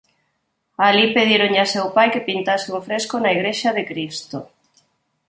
Alí pedíronlle a seu pai que pintase un fresco na Igrexa de Cristo.